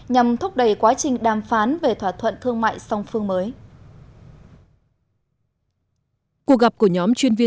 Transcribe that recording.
nhằm thúc đẩy quá trình đàm phán về thỏa thuận thương mại song phương mới